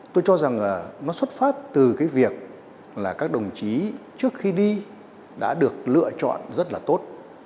tôi cho rằng là nó xuất phát từ cái việc là các đồng chí trước khi đi đã được lựa chọn rất là tốt